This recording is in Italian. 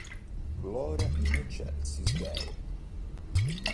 Gloria in Excelsis Deo!